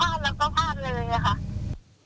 ถ้ามันพลาดแล้วก็พลาดเลยนะคะ